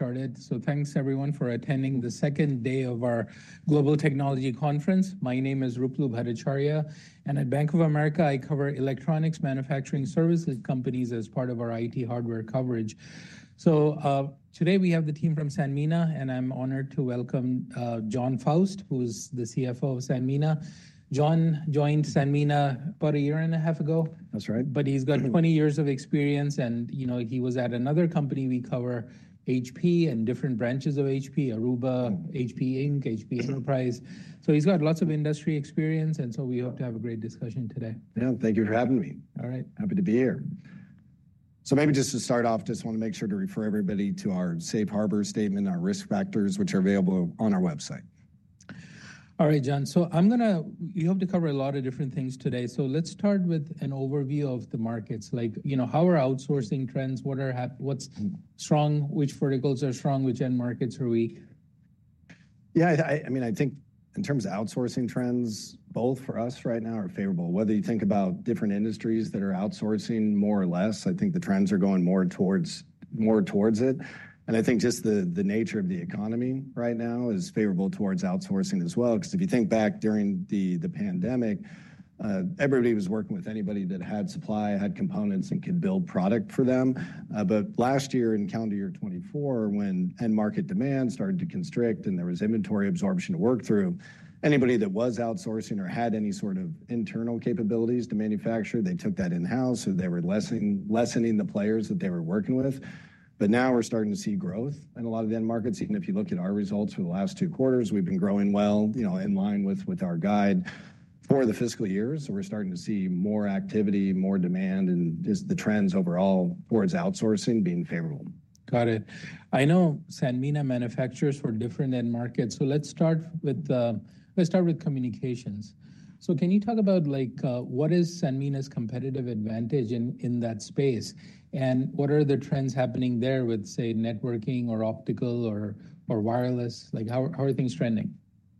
Started. Thanks, everyone, for attending the second day of our Global Technology Conference. My name is Ruplu Bhattacharya, and at Bank of America, I cover electronics manufacturing services companies as part of our IT hardware coverage. Today we have the team from Sanmina, and I'm honored to welcome Jon Faust, who is the CFO of Sanmina. Jon joined Sanmina about a year and a half ago. That's right. He has 20 years of experience, and he was at another company. We cover HP and different branches of HP: Aruba, HP Inc., HP Enterprise. He has lots of industry experience, and we hope to have a great discussion today. Yeah, thank you for having me. All right. Happy to be here. Maybe just to start off, just want to make sure to refer everybody to our Safe Harbor statement, our risk factors, which are available on our website. All right, Jon. I'm going to—we hope to cover a lot of different things today. Let's start with an overview of the markets, like how are outsourcing trends? What's strong? Which verticals are strong? Which end markets are weak? Yeah, I mean, I think in terms of outsourcing trends, both for us right now are favorable. Whether you think about different industries that are outsourcing more or less, I think the trends are going more towards it. I think just the nature of the economy right now is favorable towards outsourcing as well. If you think back during the pandemic, everybody was working with anybody that had supply, had components, and could build product for them. Last year, in calendar year 2024, when end market demand started to constrict and there was inventory absorption to work through, anybody that was outsourcing or had any sort of internal capabilities to manufacture, they took that in-house. They were lessening the players that they were working with. Now we're starting to see growth in a lot of the end markets. Even if you look at our results for the last two quarters, we've been growing well in line with our guide for the fiscal year. We are starting to see more activity, more demand, and just the trends overall towards outsourcing being favorable. Got it. I know Sanmina manufactures for different end markets. Let's start with communications. Can you talk about what is Sanmina's competitive advantage in that space? What are the trends happening there with, say, networking or optical or wireless? How are things trending?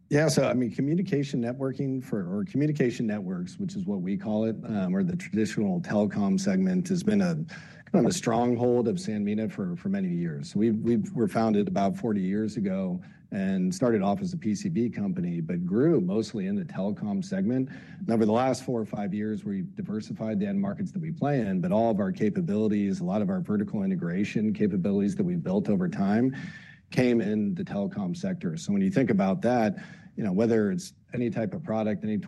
Yeah, so I mean, communication networking or communication networks, which is what we call it, or the traditional telecom segment, has been kind of a stronghold of Sanmina for many years. We were founded about 40 years ago and started off as a PCB company, but grew mostly in the telecom segment. Over the last four or five years, we've diversified the end markets that we play in, but all of our capabilities, a lot of our vertical integration capabilities that we've built over time came in the telecom sector. When you think about that, whether it's any type of product, any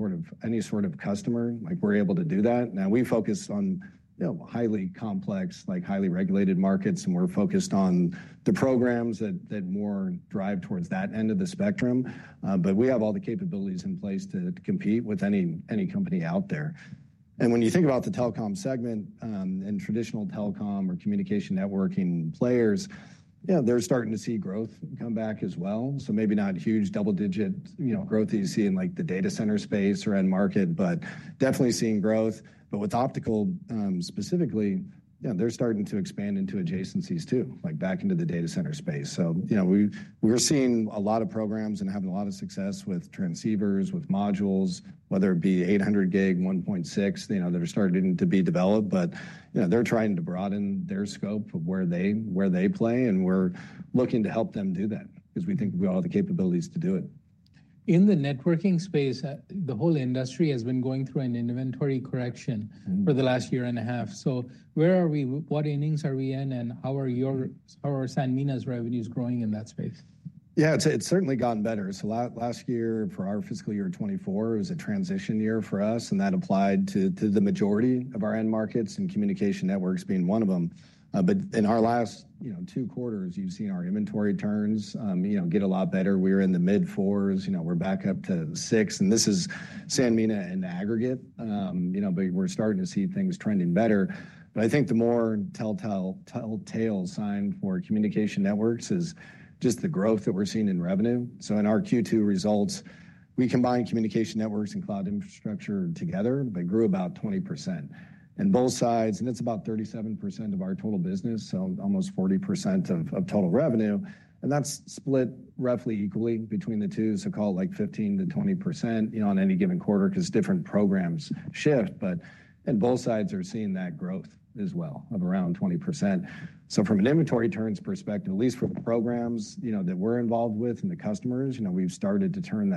sort of customer, we're able to do that. Now, we focus on highly complex, highly regulated markets, and we're focused on the programs that more drive towards that end of the spectrum. We have all the capabilities in place to compete with any company out there. When you think about the telecom segment and traditional telecom or communication networking players, they're starting to see growth come back as well. Maybe not huge double-digit growth that you see in the data center space or end market, but definitely seeing growth. With optical specifically, they're starting to expand into adjacencies too, back into the data center space. We're seeing a lot of programs and having a lot of success with transceivers, with modules, whether it be 800 gig, 1.6, they're starting to be developed, but they're trying to broaden their scope of where they play. We're looking to help them do that because we think we have all the capabilities to do it. In the networking space, the whole industry has been going through an inventory correction for the last year and a half. Where are we? What earnings are we in? How are Sanmina's revenues growing in that space? Yeah, it's certainly gotten better. Last year, for our fiscal year 2024, it was a transition year for us, and that applied to the majority of our end markets and communication networks being one of them. In our last two quarters, you've seen our inventory turns get a lot better. We were in the mid-4s. We're back up to 6. This is Sanmina in aggregate, but we're starting to see things trending better. I think the more telltale sign for communication networks is just the growth that we're seeing in revenue. In our Q2 results, we combined communication networks and cloud infrastructure together, but grew about 20%. Both sides, and it's about 37% of our total business, so almost 40% of total revenue. That is split roughly equally between the two, so call it like 15%-20% on any given quarter because different programs shift. Both sides are seeing that growth as well of around 20%. From an inventory turns perspective, at least for the programs that we are involved with and the customers, we have started to turn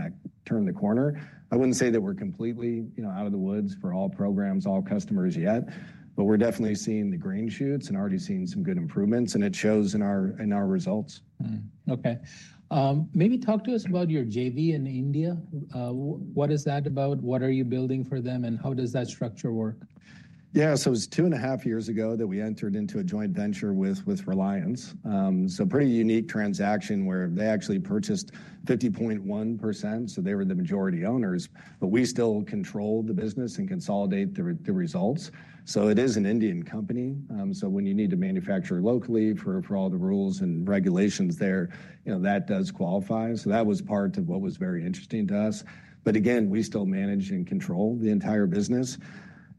the corner. I would not say that we are completely out of the woods for all programs, all customers yet, but we are definitely seeing the green shoots and already seeing some good improvements, and it shows in our results. Okay. Maybe talk to us about your JV in India. What is that about? What are you building for them, and how does that structure work? Yeah, so it was two and a half years ago that we entered into a joint venture with Reliance. So pretty unique transaction where they actually purchased 50.1%. So they were the majority owners, but we still control the business and consolidate the results. It is an Indian company. When you need to manufacture locally for all the rules and regulations there, that does qualify. That was part of what was very interesting to us. Again, we still manage and control the entire business.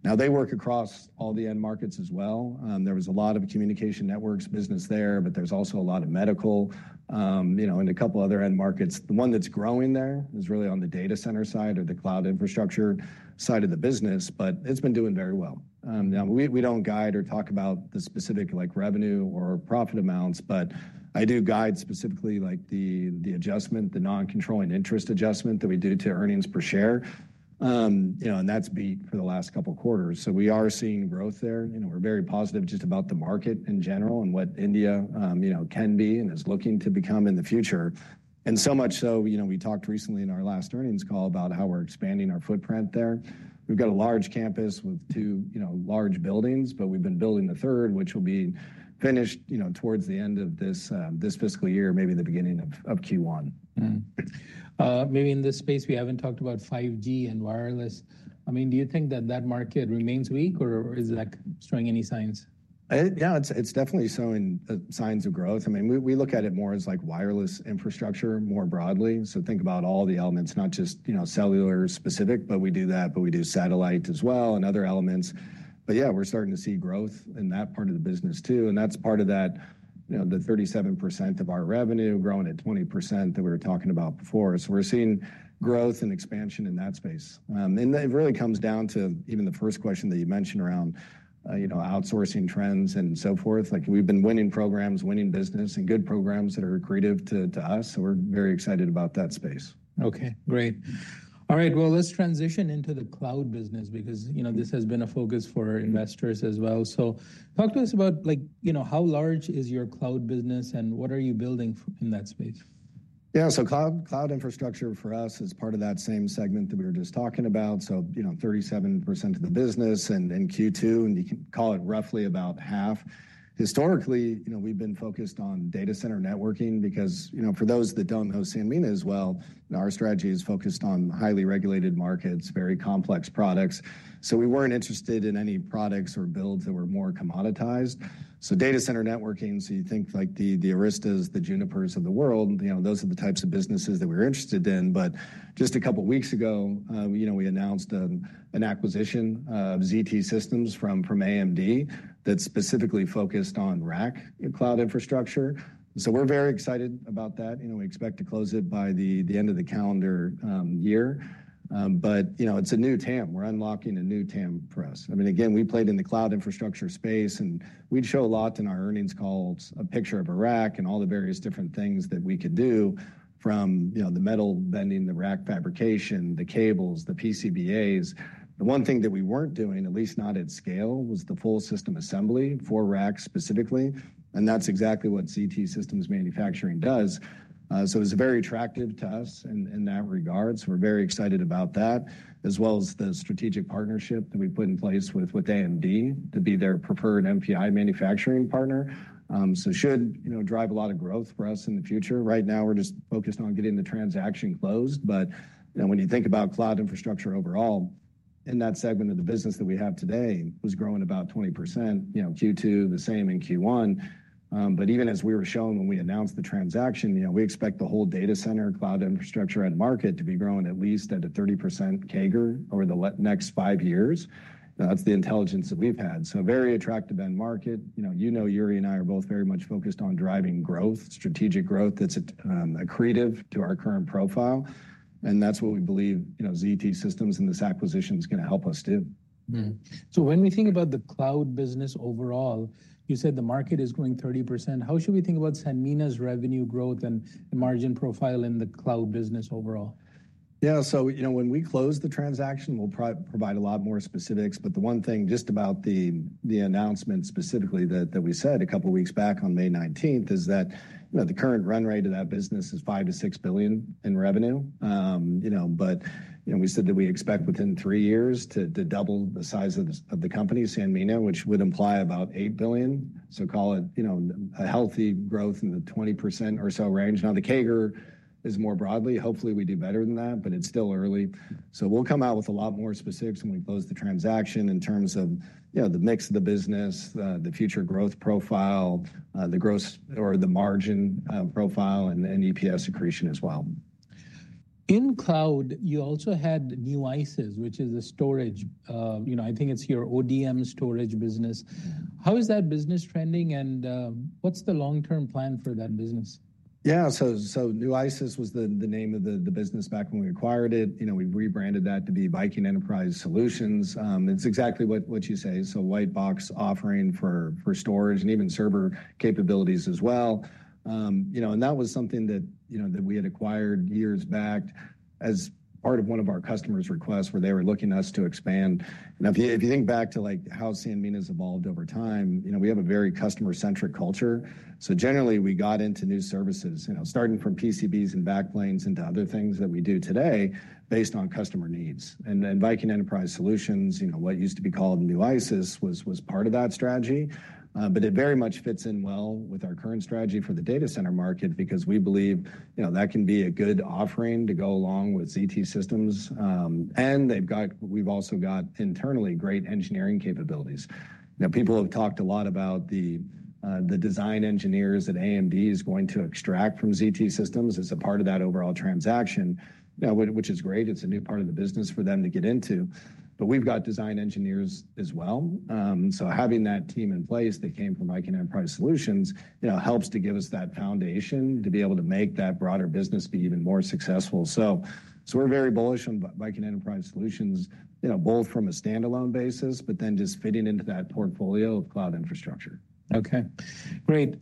Now, they work across all the end markets as well. There was a lot of communication networks business there, but there is also a lot of medical and a couple of other end markets. The one that is growing there is really on the data center side or the cloud infrastructure side of the business, but it has been doing very well. Now, we do not guide or talk about the specific revenue or profit amounts, but I do guide specifically the adjustment, the non-controlling interest adjustment that we do to earnings per share. That has beat for the last couple of quarters. We are seeing growth there. We are very positive just about the market in general and what India can be and is looking to become in the future. So much so, we talked recently in our last earnings call about how we are expanding our footprint there. We have got a large campus with two large buildings, but we have been building the third, which will be finished towards the end of this fiscal year, maybe the beginning of Q1. Maybe in this space, we haven't talked about 5G and wireless. I mean, do you think that that market remains weak, or is it showing any signs? Yeah, it's definitely showing signs of growth. I mean, we look at it more as wireless infrastructure more broadly. Think about all the elements, not just cellular specific, but we do that, but we do satellite as well and other elements. Yeah, we're starting to see growth in that part of the business too. That's part of that, the 37% of our revenue growing at 20% that we were talking about before. We're seeing growth and expansion in that space. It really comes down to even the first question that you mentioned around outsourcing trends and so forth. We've been winning programs, winning business, and good programs that are accretive to us. We're very excited about that space. Okay, great. All right, let's transition into the cloud business because this has been a focus for investors as well. Talk to us about how large is your cloud business and what are you building in that space? Yeah, cloud infrastructure for us is part of that same segment that we were just talking about. 37% of the business in Q2, and you can call it roughly about half. Historically, we've been focused on data center networking because for those that don't know Sanmina as well, our strategy is focused on highly regulated markets, very complex products. We weren't interested in any products or builds that were more commoditized. Data center networking, you think like the Aristas, the Junipers of the world, those are the types of businesses that we're interested in. Just a couple of weeks ago, we announced an acquisition of ZT Systems from AMD that's specifically focused on rack cloud infrastructure. We're very excited about that. We expect to close it by the end of the calendar year. It's a new TAM. We're unlocking a new TAM for us. I mean, again, we played in the cloud infrastructure space, and we'd show a lot in our earnings calls, a picture of a rack and all the various different things that we could do from the metal bending, the rack fabrication, the cables, the PCBAs. The one thing that we weren't doing, at least not at scale, was the full system assembly for racks specifically. That is exactly what ZT Systems Manufacturing does. It was very attractive to us in that regard. We're very excited about that, as well as the strategic partnership that we put in place with AMD to be their preferred NPI manufacturing partner. That should drive a lot of growth for us in the future. Right now, we're just focused on getting the transaction closed. When you think about cloud infrastructure overall, in that segment of the business that we have today, it was growing about 20%. Q2, the same in Q1. Even as we were showing when we announced the transaction, we expect the whole data center cloud infrastructure and market to be growing at least at a 30% CAGR over the next five years. That is the intelligence that we have had. Very attractive end market. You know, Jure and I are both very much focused on driving growth, strategic growth that is accretive to our current profile. That is what we believe ZT Systems and this acquisition is going to help us do. When we think about the cloud business overall, you said the market is growing 30%. How should we think about Sanmina's revenue growth and margin profile in the cloud business overall? Yeah, so when we close the transaction, we'll provide a lot more specifics. The one thing just about the announcement specifically that we said a couple of weeks back on May 19th is that the current run rate of that business is $5 billion-$6 billion in revenue. We said that we expect within three years to double the size of the company, Sanmina, which would imply about $8 billion. Call it a healthy growth in the 20% or so range. Now, the CAGR is more broadly. Hopefully, we do better than that, but it's still early. We'll come out with a lot more specifics when we close the transaction in terms of the mix of the business, the future growth profile, the gross or the margin profile, and EPS accretion as well. In cloud, you also had New Isis, which is a storage. I think it's your ODM storage business. How is that business trending, and what's the long-term plan for that business? Yeah, so New Isis was the name of the business back when we acquired it. We rebranded that to be Viking Enterprise Solutions. It's exactly what you say. It's a white box offering for storage and even server capabilities as well. That was something that we had acquired years back as part of one of our customers' requests where they were looking us to expand. If you think back to how Sanmina has evolved over time, we have a very customer-centric culture. Generally, we got into new services, starting from PCBs and Backplanes into other things that we do today based on customer needs. Viking Enterprise Solutions, what used to be called New Isis, was part of that strategy. It very much fits in well with our current strategy for the data center market because we believe that can be a good offering to go along with ZT Systems. We have also got internally great engineering capabilities. Now, people have talked a lot about the design engineers that AMD is going to extract from ZT Systems as a part of that overall transaction, which is great. It is a new part of the business for them to get into. We have got design engineers as well. Having that team in place that came from Viking Enterprise Solutions helps to give us that foundation to be able to make that broader business be even more successful. We are very bullish on Viking Enterprise Solutions, both from a standalone basis, but then just fitting into that portfolio of cloud infrastructure. Okay, great.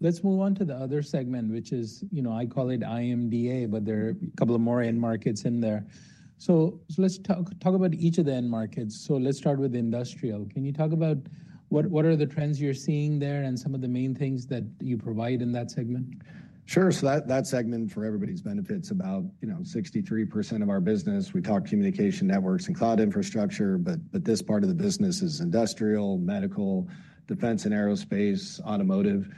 Let's move on to the other segment, which is, I call it IMDA, but there are a couple more end markets in there. Let's talk about each of the end markets. Let's start with industrial. Can you talk about what are the trends you're seeing there and some of the main things that you provide in that segment? Sure. So that segment, for everybody's benefit, it's about 63% of our business. We talk communication networks and cloud infrastructure, but this part of the business is industrial, medical, defense and aerospace, automotive.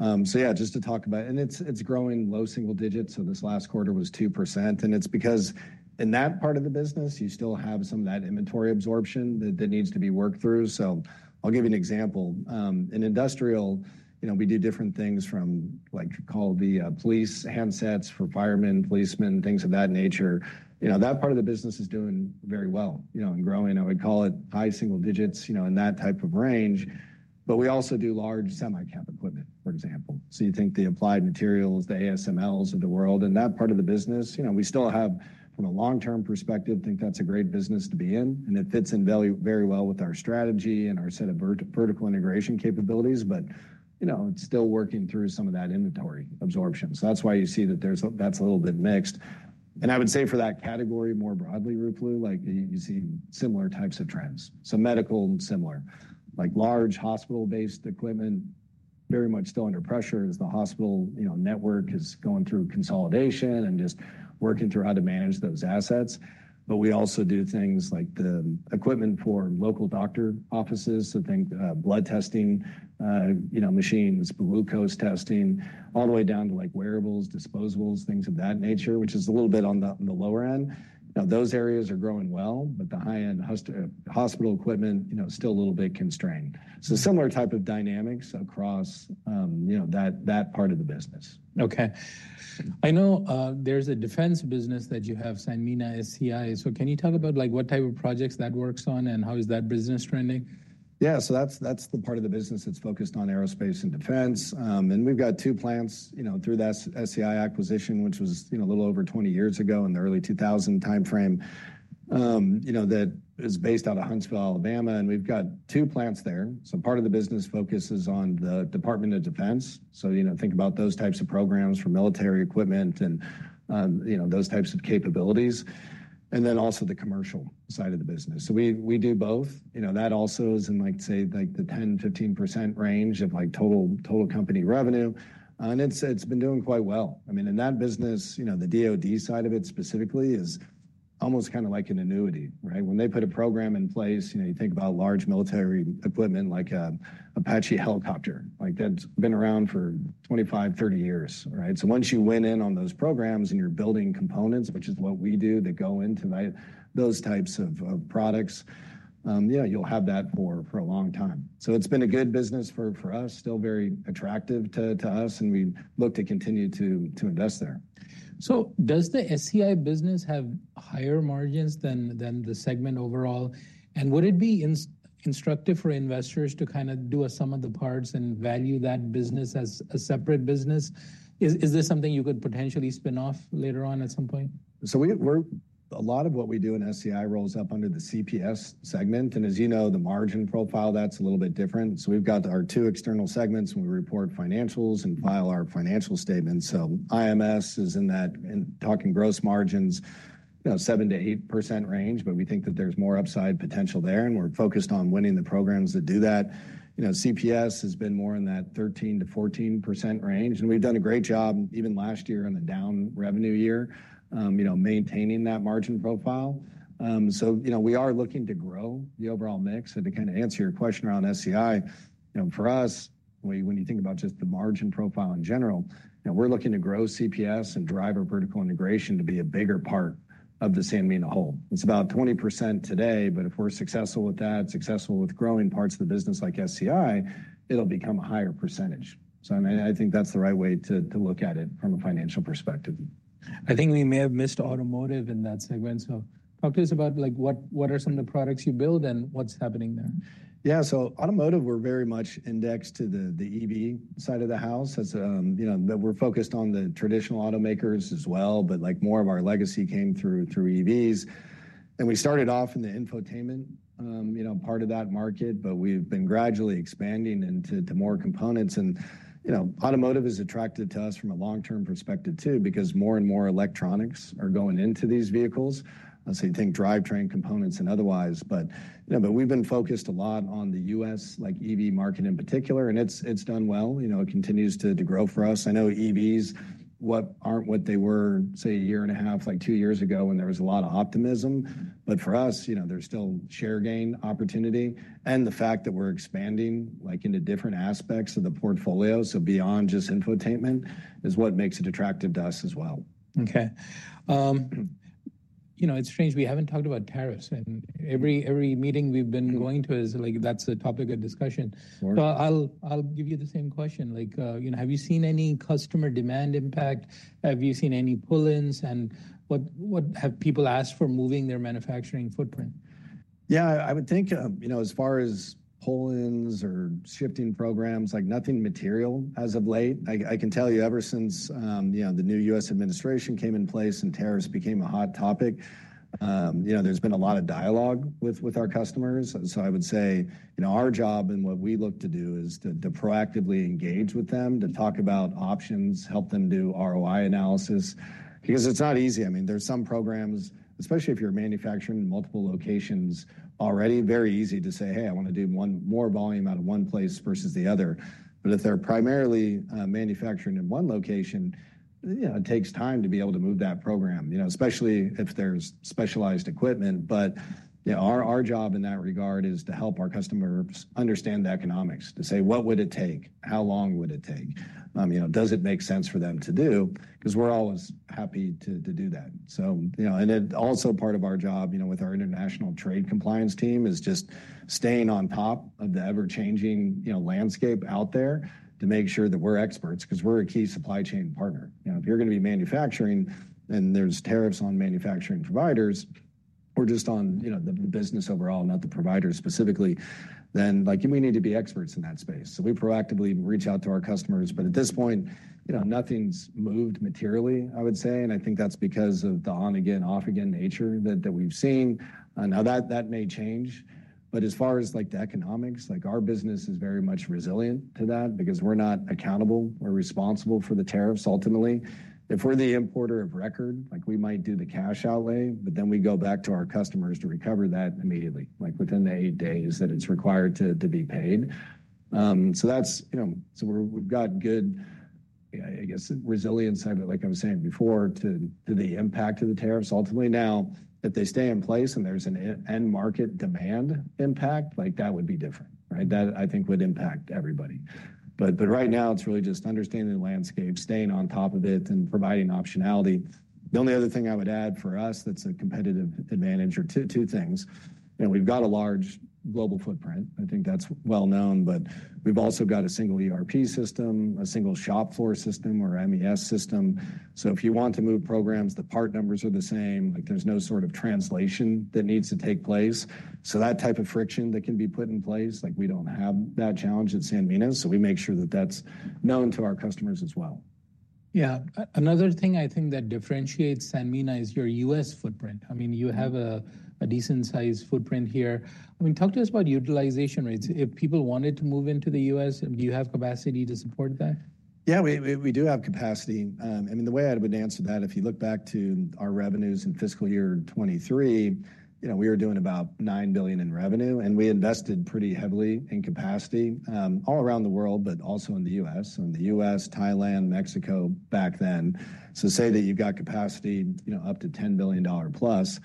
Yeah, just to talk about it. It's growing low single digits. This last quarter was 2%. It's because in that part of the business, you still have some of that inventory absorption that needs to be worked through. I'll give you an example. In industrial, we do different things from, like you call the police handsets for firemen, policemen, things of that nature. That part of the business is doing very well and growing. I would call it high single digits in that type of range. We also do large semicap equipment, for example. You think the Applied Materials, the ASMLs of the world. That part of the business, we still have, from a long-term perspective, think that's a great business to be in. It fits in very well with our strategy and our set of vertical integration capabilities, but it's still working through some of that inventory absorption. That is why you see that that's a little bit mixed. I would say for that category more broadly, Rupalu, you see similar types of trends. Medical and similar, like large hospital-based equipment, very much still under pressure as the hospital network is going through consolidation and just working through how to manage those assets. We also do things like the equipment for local doctor offices. Think blood testing machines, glucose testing, all the way down to wearables, disposables, things of that nature, which is a little bit on the lower end. Now, those areas are growing well, but the high-end hospital equipment is still a little bit constrained. Similar type of dynamics across that part of the business. Okay. I know there's a defense business that you have, Sanmina SCI. Can you talk about what type of projects that works on and how is that business trending? Yeah, so that's the part of the business that's focused on aerospace and defense. We've got two plants through that SCI acquisition, which was a little over 20 years ago in the early 2000 timeframe that is based out of Huntsville, Alabama. We've got two plants there. Part of the business focuses on the Department of Defense. Think about those types of programs for military equipment and those types of capabilities. Also the commercial side of the business. We do both. That also is in, like I say, the 10-15% range of total company revenue. It's been doing quite well. I mean, in that business, the DOD side of it specifically is almost kind of like an annuity, right? When they put a program in place, you think about large military equipment like an Apache helicopter. That's been around for 25, 30 years, right? Once you win in on those programs and you're building components, which is what we do that go into those types of products, you'll have that for a long time. It's been a good business for us, still very attractive to us, and we look to continue to invest there. Does the SCI business have higher margins than the segment overall? Would it be instructive for investors to kind of do a sum of the parts and value that business as a separate business? Is this something you could potentially spin off later on at some point? A lot of what we do in SCI rolls up under the CPS segment. As you know, the margin profile, that's a little bit different. We have our two external segments, and we report financials and file our financial statements. IMS is in that, talking gross margins, 7-8% range, but we think that there's more upside potential there. We're focused on winning the programs that do that. CPS has been more in that 13-14% range. We've done a great job even last year in the down revenue year, maintaining that margin profile. We are looking to grow the overall mix. To kind of answer your question around SCI, for us, when you think about just the margin profile in general, we're looking to grow CPS and drive our vertical integration to be a bigger part of the Sanmina whole. It is about 20% today, but if we're successful with that, successful with growing parts of the business like SCI, it'll become a higher percentage. I think that's the right way to look at it from a financial perspective. I think we may have missed automotive in that segment. Talk to us about what are some of the products you build and what's happening there. Yeah, so automotive, we're very much indexed to the EV side of the house. We're focused on the traditional automakers as well, but more of our legacy came through EVs. We started off in the infotainment part of that market, but we've been gradually expanding into more components. Automotive is attractive to us from a long-term perspective too because more and more electronics are going into these vehicles. You think drivetrain components and otherwise. We've been focused a lot on the US EV market in particular, and it's done well. It continues to grow for us. I know EVs aren't what they were, say, a year and a half, like two years ago when there was a lot of optimism. For us, there's still share gain opportunity. The fact that we're expanding into different aspects of the portfolio, so beyond just infotainment, is what makes it attractive to us as well. Okay. It's strange. We haven't talked about tariffs. Every meeting we've been going to is like that's the topic of discussion. I'll give you the same question. Have you seen any customer demand impact? Have you seen any pull-ins? What have people asked for moving their manufacturing footprint? Yeah, I would think as far as pull-ins or shifting programs, nothing material as of late. I can tell you ever since the new U.S. administration came in place and tariffs became a hot topic, there's been a lot of dialogue with our customers. I would say our job and what we look to do is to proactively engage with them, to talk about options, help them do ROI analysis. Because it's not easy. I mean, there are some programs, especially if you're manufacturing in multiple locations already, very easy to say, "Hey, I want to do one more volume out of one place versus the other." If they're primarily manufacturing in one location, it takes time to be able to move that program, especially if there's specialized equipment. Our job in that regard is to help our customers understand the economics, to say, "What would it take? How long would it take? Does it make sense for them to do? Because we're always happy to do that. Also, part of our job with our international trade compliance team is just staying on top of the ever-changing landscape out there to make sure that we're experts because we're a key supply chain partner. If you're going to be manufacturing and there are tariffs on manufacturing providers, or just on the business overall, not the providers specifically, then we need to be experts in that space. We proactively reach out to our customers. At this point, nothing's moved materially, I would say. I think that's because of the on-again, off-again nature that we've seen. That may change. As far as the economics, our business is very much resilient to that because we're not accountable. We're responsible for the tariffs ultimately. If we're the importer of record, we might do the cash outlay, but then we go back to our customers to recover that immediately, like within the eight days that it's required to be paid. We've got good, I guess, resilience, like I was saying before, to the impact of the tariffs. Ultimately, now, if they stay in place and there's an end market demand impact, that would be different. I think it would impact everybody. Right now, it's really just understanding the landscape, staying on top of it, and providing optionality. The only other thing I would add for us that's a competitive advantage are two things. We've got a large global footprint. I think that's well-known. We've also got a single ERP system, a single shop floor system, or MES system. If you want to move programs, the part numbers are the same. is no sort of translation that needs to take place. That type of friction that can be put in place, we do not have that challenge at Sanmina. We make sure that is known to our customers as well. Yeah. Another thing I think that differentiates Sanmina is your US footprint. I mean, you have a decent-sized footprint here. I mean, talk to us about utilization rates. If people wanted to move into the US, do you have capacity to support that? Yeah, we do have capacity. I mean, the way I would answer that, if you look back to our revenues in fiscal year 2023, we were doing about $9 billion in revenue. And we invested pretty heavily in capacity all around the world, but also in the U.S. In the U.S., Thailand, Mexico back then. Say that you've got capacity up to $10 billion-plus.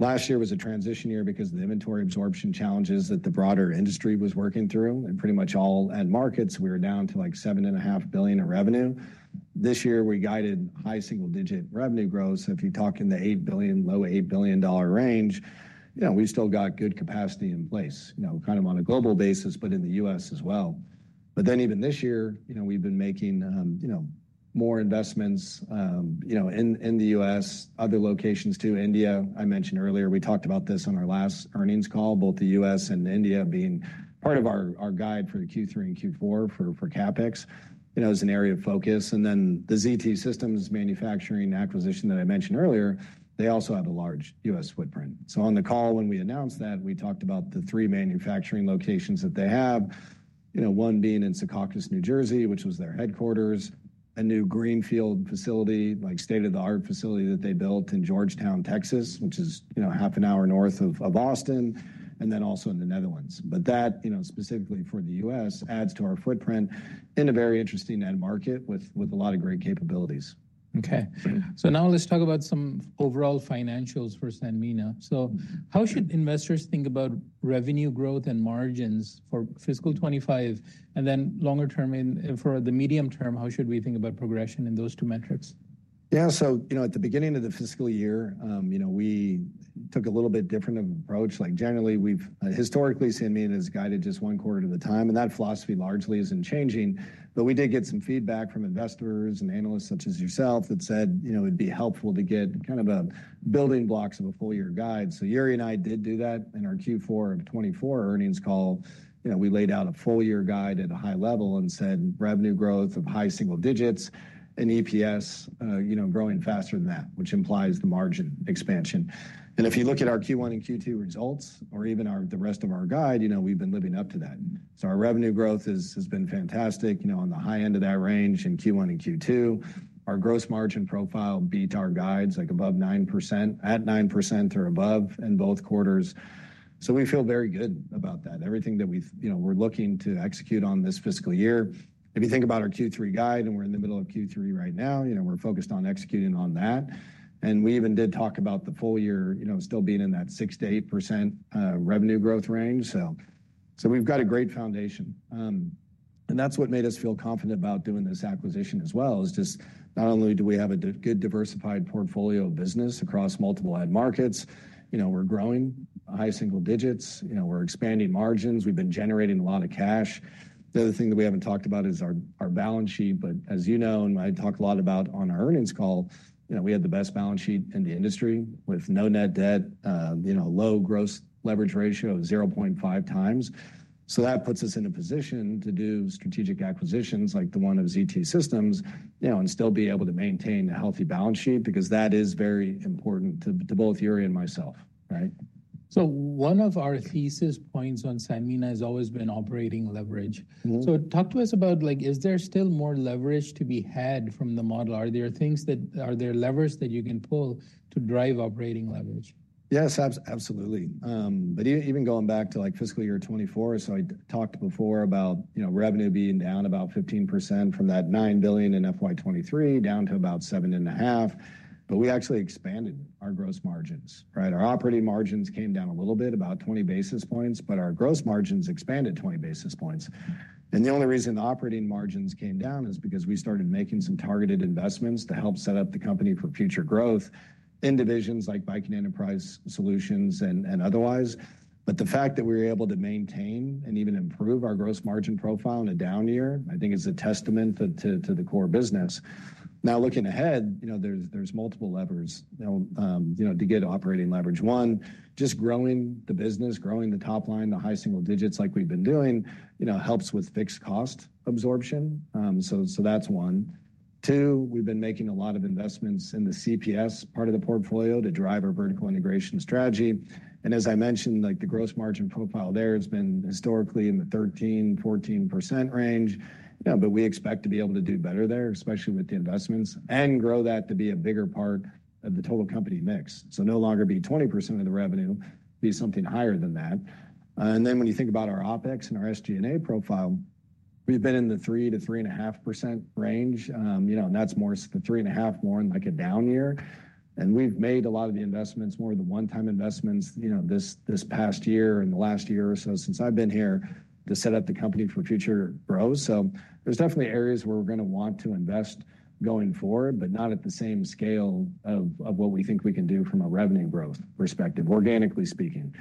Last year was a transition year because of the inventory absorption challenges that the broader industry was working through. And pretty much all end markets, we were down to like $7.5 billion in revenue. This year, we guided high single-digit revenue growth. If you talk in the $8 billion, low $8 billion range, we still got good capacity in place, kind of on a global basis, but in the U.S. as well. Even this year, we've been making more investments in the U.S., other locations too. India, I mentioned earlier, we talked about this on our last earnings call, both the U.S. and India being part of our guide for Q3 and Q4 for CapEx as an area of focus. The ZT Systems manufacturing acquisition that I mentioned earlier, they also have a large U.S. footprint. On the call when we announced that, we talked about the three manufacturing locations that they have, one being in Secaucus, New Jersey, which was their headquarters, a new greenfield facility, like state-of-the-art facility that they built in Georgetown, Texas, which is half an hour north of Austin, and then also in the Netherlands. Specifically for the U.S., that adds to our footprint in a very interesting end market with a lot of great capabilities. Okay. Now let's talk about some overall financials for Sanmina. How should investors think about revenue growth and margins for fiscal 2025 and then longer term for the medium term, how should we think about progression in those two metrics? Yeah. At the beginning of the fiscal year, we took a little bit different approach. Generally, we've historically, Sanmina has guided just one quarter at a time. That philosophy largely isn't changing. We did get some feedback from investors and analysts such as yourself that said it'd be helpful to get kind of building blocks of a full-year guide. Yuri and I did do that in our Q4 2024 earnings call. We laid out a full-year guide at a high level and said revenue growth of high single digits and EPS growing faster than that, which implies the margin expansion. If you look at our Q1 and Q2 results or even the rest of our guide, we've been living up to that. Our revenue growth has been fantastic on the high end of that range in Q1 and Q2. Our gross margin profile beat our guides like above 9%, at 9% or above in both quarters. We feel very good about that. Everything that we're looking to execute on this fiscal year. If you think about our Q3 guide and we're in the middle of Q3 right now, we're focused on executing on that. We even did talk about the full year still being in that 6-8% revenue growth range. We've got a great foundation. That's what made us feel confident about doing this acquisition as well is just not only do we have a good diversified portfolio of business across multiple end markets, we're growing high single digits, we're expanding margins, we've been generating a lot of cash. The other thing that we haven't talked about is our balance sheet. As you know, and I talk a lot about on our earnings call, we have the best balance sheet in the industry with no net debt, low gross leverage ratio of 0.5x. That puts us in a position to do strategic acquisitions like the one of ZT Systems and still be able to maintain a healthy balance sheet because that is very important to both Jure and myself, right? One of our thesis points on Sanmina has always been operating leverage. Talk to us about, is there still more leverage to be had from the model? Are there levers that you can pull to drive operating leverage? Yes, absolutely. Even going back to fiscal year 2024, I talked before about revenue being down about 15% from that $9 billion in FY 2023 down to about $7.5 billion. We actually expanded our gross margins, right? Our operating margins came down a little bit, about 20 basis points, but our gross margins expanded 20 basis points. The only reason the operating margins came down is because we started making some targeted investments to help set up the company for future growth in divisions like Viking Enterprise Solutions and otherwise. The fact that we were able to maintain and even improve our gross margin profile in a down year, I think is a testament to the core business. Now, looking ahead, there are multiple levers to get operating leverage. One, just growing the business, growing the top line, the high single digits like we've been doing helps with fixed cost absorption. That is one. Two, we've been making a lot of investments in the CPS part of the portfolio to drive our vertical integration strategy. As I mentioned, the gross margin profile there has been historically in the 13-14% range. We expect to be able to do better there, especially with the investments, and grow that to be a bigger part of the total company mix. It will no longer be 20% of the revenue, but something higher than that. When you think about our OPEX and our SG&A profile, we've been in the 3-3.5% range. That is more the 3.5% in like a down year. We have made a lot of the investments, more of the one-time investments this past year and the last year or so since I have been here to set up the company for future growth. There are definitely areas where we are going to want to invest going forward, but not at the same scale of what we think we can do from a revenue growth perspective, organically speaking.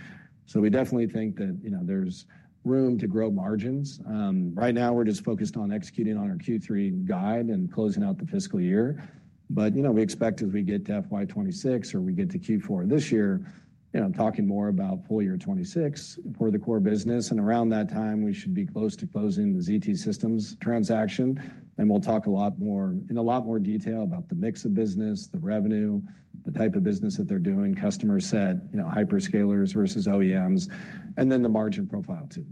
We definitely think that there is room to grow margins. Right now, we are just focused on executing on our Q3 guide and closing out the fiscal year. We expect as we get to FY2026 or we get to Q4 this year, I am talking more about full year 2026 for the core business. Around that time, we should be close to closing the ZT Systems transaction. We will talk a lot more in a lot more detail about the mix of business, the revenue, the type of business that they are doing, customer set, hyperscalers versus OEMs, and then the margin profile too.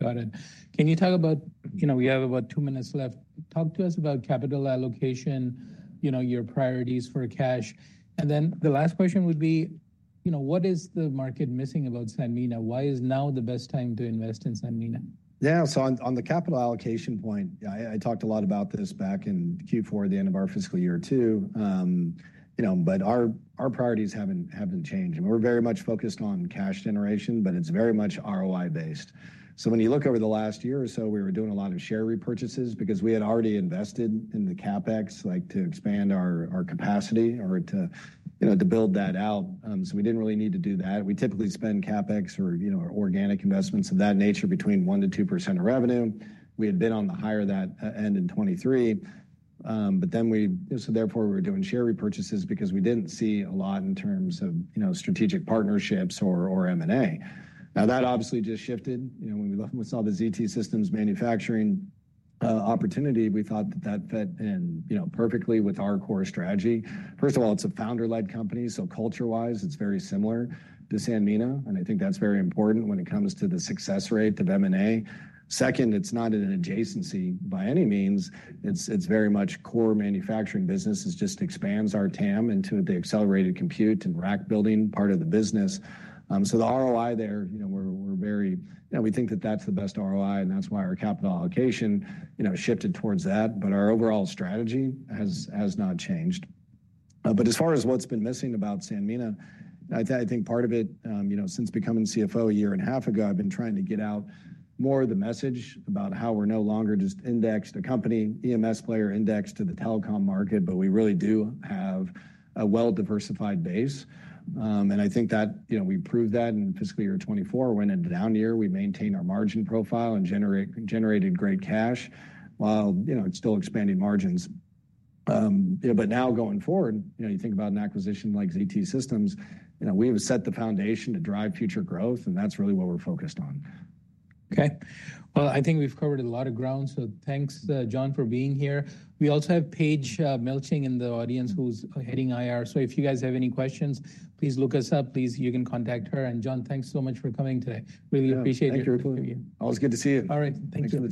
Got it. Can you talk about, we have about two minutes left, talk to us about capital allocation, your priorities for cash. The last question would be, what is the market missing about Sanmina? Why is now the best time to invest in Sanmina? Yeah. On the capital allocation point, I talked a lot about this back in Q4 at the end of our fiscal year too. Our priorities have not changed. We are very much focused on cash generation, but it is very much ROI based. When you look over the last year or so, we were doing a lot of share repurchases because we had already invested in the CapEx to expand our capacity or to build that out. We did not really need to do that. We typically spend CapEx or organic investments of that nature between 1-2% of revenue. We had been on the higher end in 2023. Therefore, we were doing share repurchases because we did not see a lot in terms of strategic partnerships or M&A. Now, that obviously just shifted. When we saw the ZT Systems manufacturing opportunity, we thought that that fit in perfectly with our core strategy. First of all, it's a founder-led company. So culture-wise, it's very similar to Sanmina. And I think that's very important when it comes to the success rate of M&A. Second, it's not an adjacency by any means. It's very much core manufacturing business. It just expands our TAM into the accelerated compute and rack building part of the business. So the ROI there, we're very, we think that that's the best ROI. And that's why our capital allocation shifted towards that. But our overall strategy has not changed. As far as what's been missing about Sanmina, I think part of it, since becoming CFO a year and a half ago, I've been trying to get out more of the message about how we're no longer just indexed a company, EMS player indexed to the telecom market, but we really do have a well-diversified base. I think that we proved that in fiscal year 2024. In a down year, we maintained our margin profile and generated great cash while still expanding margins. Now going forward, you think about an acquisition like ZT Systems, we have set the foundation to drive future growth. That's really what we're focused on. Okay. I think we've covered a lot of ground. Thanks, Jon, for being here. We also have Paige Melching in the audience who's heading IR. If you guys have any questions, please look us up. You can contact her. Jon, thanks so much for coming today. Really appreciate it. Thank you. Always good to see you. All right. Thank you.